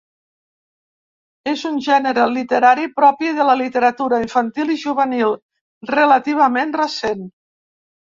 És un gènere literari propi de la literatura infantil i juvenil relativament recent.